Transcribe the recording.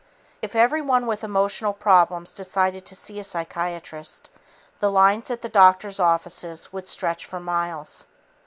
If everybody with emotional problems decided to see a psychiatrist, the lines at the doctors' offices would stretch for miles."